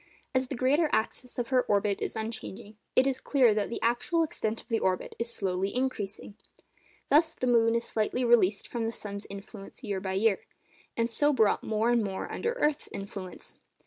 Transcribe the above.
As the greater axis of her orbit is unchanging, it is clear that the actual extent of the orbit is slowly increasing. Thus, the moon is slightly released from the sun's influence year by year, and so brought more and more under the earth's influence.